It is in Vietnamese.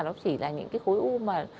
nó chỉ là những cái khối u mà